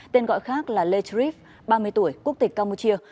tên gọi khác là lê trip ba mươi tuổi quốc tịch campuchia